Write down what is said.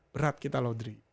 berat kita lodri